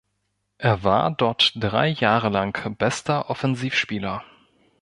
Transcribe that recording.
Er war dort drei Jahre lang bester Offensivspieler.